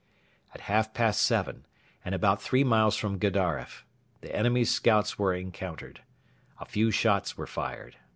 At half past seven, and about three miles from Gedaref, the enemy's scouts were encountered. A few shots were fired.